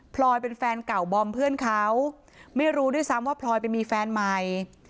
ลอยเป็นแฟนเก่าบอมเพื่อนเขาไม่รู้ด้วยซ้ำว่าพลอยไปมีแฟนใหม่